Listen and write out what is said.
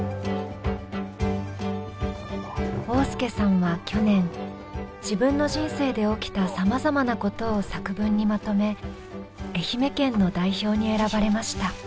旺亮さんは去年自分の人生で起きたさまざまなことを作文にまとめ愛媛県の代表に選ばれました。